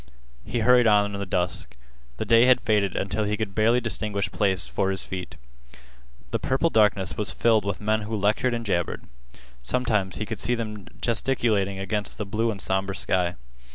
He hurried on in the dusk. The day had faded until he could barely distinguish place for his feet. The purple darkness was filled with men who lectured and jabbered. Sometimes he could see them gesticulating against the blue and somber sky.